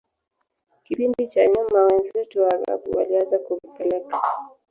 kipindi cha nyuma wenzetu waarabu walianza kumpeleka